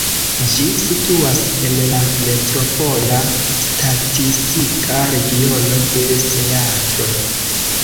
Ĝi situas en la metropola statistika regiono de Seatlo.